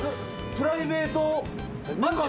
プライベート眼鏡。